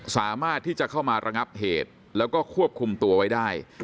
สามารถที่จะเข้ามาระงับเหตุแล้วก็ควบคุมตัวไว้ได้